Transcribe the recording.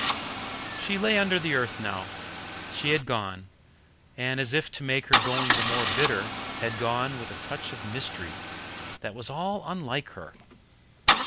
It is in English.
She lay under the earth now. She had gone, and as if to make her going the more bitter, had gone with a touch of mystery that was all unlike her.